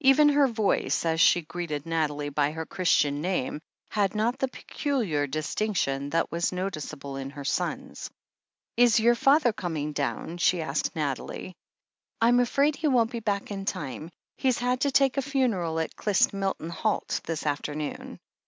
Even her voice, as she greeted Nathalie by her Christian name, had not the peculiar distinction that was noticeable in her son's. "Is your father coming down?" she asked Nathalie. "Fm afraid he won't be back in time. He's had to take a ftmeral at Clyst Milton Halt this afternoon.